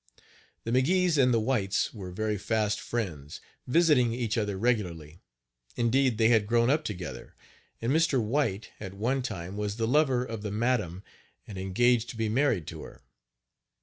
The McGees and the Whites were very fast friends, visiting each other regularly indeed they had grown up together, and Mr. White at one time was the lover of the madam, and engaged to be married to her.